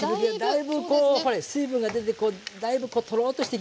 だいぶこうほれ水分が出てだいぶとろっとしてきましたでしょ。